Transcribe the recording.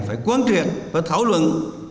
phải quán truyền và thảo luận